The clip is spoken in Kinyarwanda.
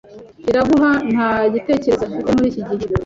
Iraguha nta gitekerezo afite muri iki gihe.